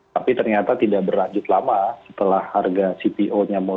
tapi ternyata tidak berlanjut lama setelah harga cpo nya